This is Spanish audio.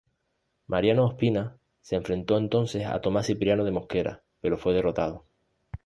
Mariano Ospina se enfrentó entonces a Tomás Cipriano de Mosquera, pero fue derrotado.